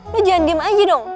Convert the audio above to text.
lu jalan game aja dong